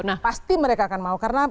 nah pasti mereka akan mau karena